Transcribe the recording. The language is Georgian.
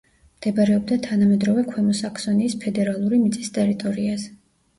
მდებარეობდა თანამედროვე ქვემო საქსონიის ფედერალური მიწის ტერიტორიაზე.